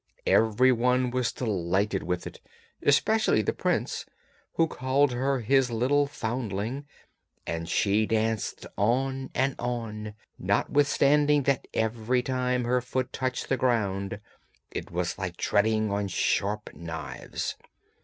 Every one was delighted with it, especially the prince, who called her his little foundling; and she danced on and on, notwithstanding that every time her foot touched the ground it was like treading on sharp knives.